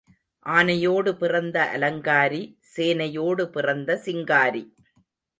ஆனையோடு பிறந்த அலங்காரி, சேனையோடு பிறந்த சிங்காரி.